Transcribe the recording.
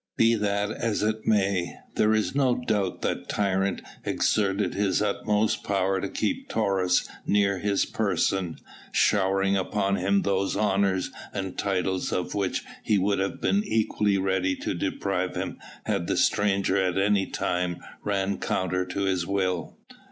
Be that as it may, there is no doubt that tyrant exerted his utmost power to keep Taurus near his person, showering upon him those honours and titles of which he would have been equally ready to deprive him had the stranger at any time run counter to his will.